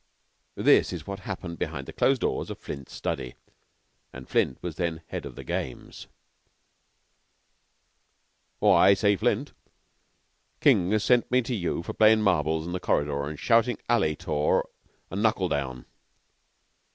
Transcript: This is what happened behind the closed doors of Flint's study, and Flint was then Head of the Games: "Oh, I say, Flint. King has sent me to you for playin' marbles in the corridor an' shoutin' 'alley tor' an' 'knuckle down.